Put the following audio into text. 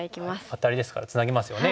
アタリですからツナぎますよね。